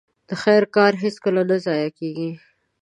د خير کار هيڅکله نه ضايع کېږي.